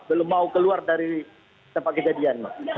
belum mau keluar dari tempat kejadian